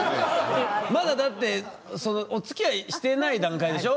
まだだってそのおつきあいしてない段階でしょ？